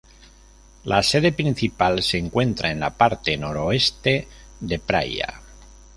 La sede principal se encuentra en la parte noroeste de Praia.